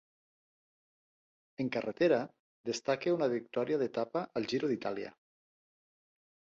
En carretera destaca una victòria d'etapa al Giro d'Itàlia.